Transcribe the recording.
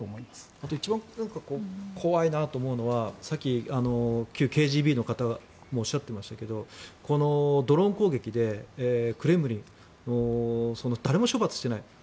あと、一番怖いなと思うのはさっき、旧ＫＧＢの方もおっしゃってましたがドローン攻撃でクレムリン誰も処罰してない